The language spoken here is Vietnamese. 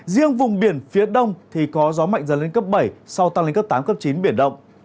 riêng vùng biển phía đông thì có gió mạnh dần lên cấp bảy sau tăng lên cấp tám cấp chín biển động